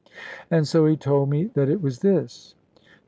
And so he told me that it was this.